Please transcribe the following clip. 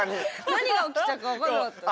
何が起きたか分かんなかったです。